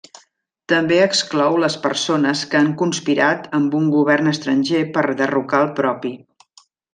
També exclou les persones que han conspirat amb un govern estranger per derrocar el propi.